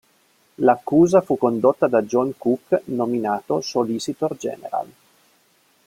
L'accusa fu condotta da John Cooke, nominato "Solicitor General".